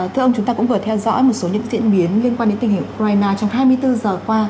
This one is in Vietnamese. thưa ông chúng ta cũng vừa theo dõi một số những diễn biến liên quan đến tình hình ukraine trong hai mươi bốn giờ qua